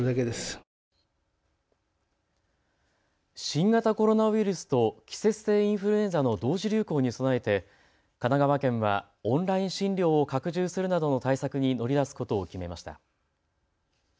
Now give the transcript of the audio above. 新型コロナウイルスと季節性インフルエンザの同時流行に備えて神奈川県はオンライン診療を拡充するなどの対策に乗り出すことを決めました。